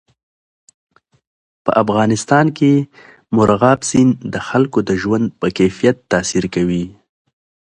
په افغانستان کې مورغاب سیند د خلکو د ژوند په کیفیت تاثیر کوي.